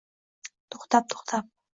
To’xtab-to’xtab